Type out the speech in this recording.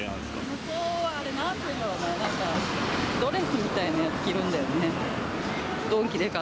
仮装は、あれ、なんて言うんだろうね、なんか、ドレスみたいなやつ着るんだよね。